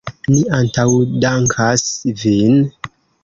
Ni antaŭdankas vin!